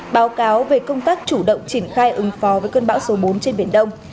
báo cáo về công tác chủ động triển khai ứng phó với cơn bão số bốn trên biển đông